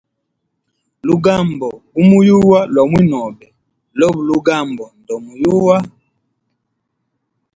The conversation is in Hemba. Lugambo gumuyuwa lwa mwinobe lobe lugambo ndomuyuwa.